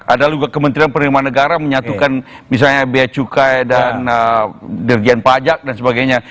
ada juga kementerian penerimaan negara menyatukan misalnya biaya cukai dan dirjen pajak dan sebagainya